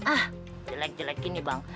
ah jelek jelek gini bang